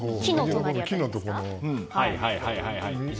木のところの。